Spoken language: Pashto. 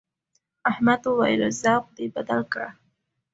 احمد وويل: ذوق دې بدل کړه.